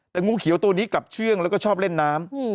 แต่งูเขียวตัวนี้กลับเชื่องแล้วก็ชอบเล่นน้ำ